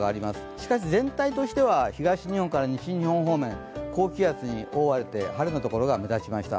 しかし全体としては東日本から西日本方面、高気圧に覆われて晴れの所が目立ちました。